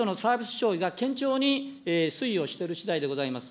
消費が堅調に推移をしているしだいでございます。